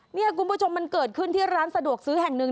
นี่คุณผู้ชมมันเกิดขึ้นที่ร้านสะดวกซื้อแห่งหนึ่ง